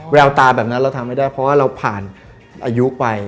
แววตาแบบนั้นเราทำไม่ได้เพราะว่าเราผ่านอายุไป